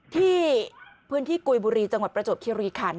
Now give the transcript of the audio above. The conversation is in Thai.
ที่พื้นที่กุยบุรีจังหวัดประจวบคิริคัน